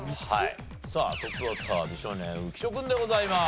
さあトップバッター美少年浮所君でございます。